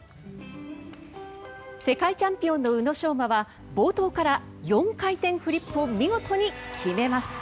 世界チャンピオンの宇野昌磨は冒頭から４回転フリップを見事に決めます。